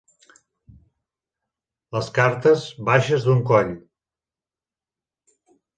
Les cartes baixes d'un coll.